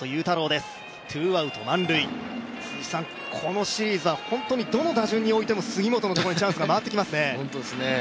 このシリーズは本当にどの打順においても杉本のところにチャンスが回ってきますね。